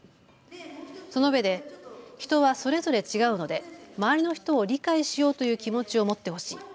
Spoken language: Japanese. そのうえで人はそれぞれ違うので周りの人を理解しようという気持ちを持ってほしい。